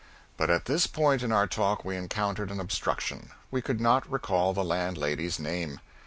But at this point in our talk we encountered an obstruction: we could not recall the landlady's name.